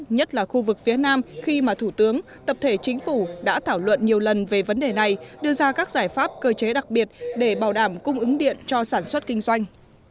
nhất là khu vực phía nam khi mà thủ tướng tập thể chính phủ đã thảo luận nhiều lần về vấn đề này đưa ra các giải pháp cơ chế đặc biệt để bảo đảm cung ứng điện cho sản xuất kinh doanh